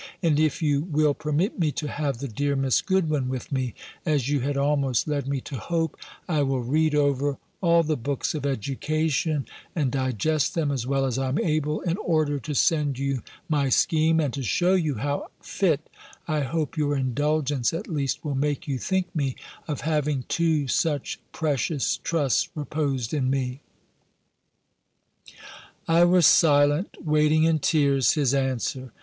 And if you will permit me to have the dear Miss Goodwin with me, as you had almost led me to hope, I will read over all the books of education, and digest them, as well as I am able, in order to send you my scheme, and to show you how fit, I hope your indulgence, at least, will make you think me, of having two such precious trusts reposed in me!" I was silent, waiting in tears his answer.